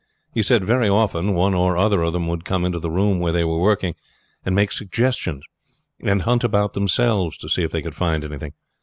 He said very often one or other of them would come into the room where they were working and make suggestions, and hunt about themselves to see if they could find anything.